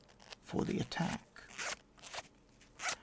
— ^FOB THE ATTACK. 1.